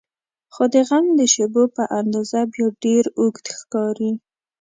خو د غم د شیبو په اندازه بیا ډېر اوږد ښکاري.